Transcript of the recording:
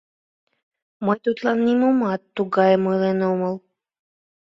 Мый тудлан нимомат тугайым ойлен омыл...